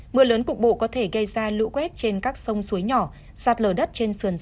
mưa lớn cục bộ có thể gây ra lũ quét trên các sông suối nhỏ sạt lở đất trên sườn